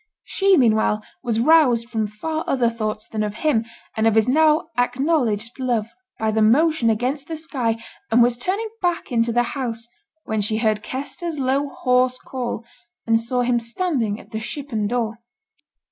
She, meanwhile, was roused from far other thoughts than of him, and of his now acknowledged love, by the motion against the sky, and was turning back into the house when she heard Kester's low hoarse call, and saw him standing at the shippen door.